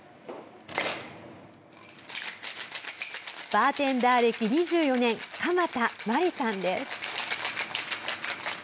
バーテンダー歴２４年鎌田真理さんです。